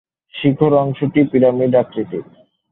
শিখর অংশটি পিরামিড আকৃতির।